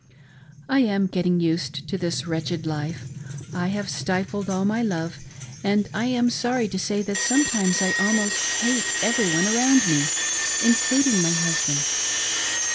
I am getting used to this wretched life ; I have stifled all my love ; and I am sorry to say that sometimes I almost hate every one around me, including my husband.